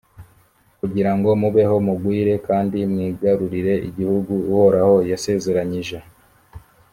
kugira ngo mubeho, mugwire kandi mwigarurire igihugu uhoraho yasezeranyije